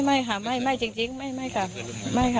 ไม่ค่ะจริงไม่ค่ะ